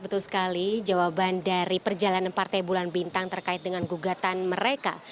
betul sekali jawaban dari perjalanan partai bulan bintang terkait dengan gugatan mereka